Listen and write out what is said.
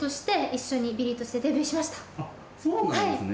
あっそうなんですね。